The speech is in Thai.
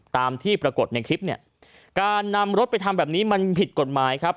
ตามที่ปรากฏในคลิปเนี่ยการนำรถไปทำแบบนี้มันผิดกฎหมายครับ